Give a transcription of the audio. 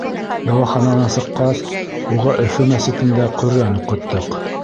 Дауахананан сыҡҡас, уға Өфө мәсетендә Ҡөрьән уҡыттыҡ.